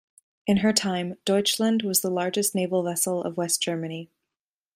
In her time "Deutschland" was the largest naval vessel of West Germany.